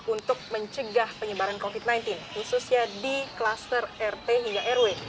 untuk mencegah penyebaran covid sembilan belas khususnya di kluster rt hingga rw